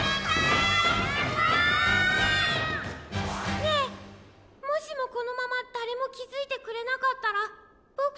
ねえもしもこのままだれもきづいてくれなかったらボク